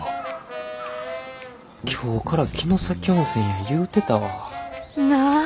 今日から城崎温泉や言うてたわ。なぁ？